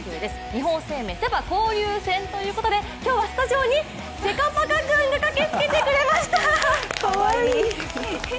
日本生命セ・パ交流戦ということで今日はスタジオにセカパカくんが駆けつけてくれました！